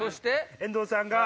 遠藤さんが。